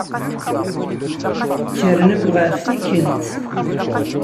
Kkren akk ɣef tikkelt.